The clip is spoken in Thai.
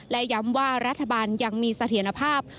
และย้ำว่ารัฐบาลยังมีเสถียรภาพ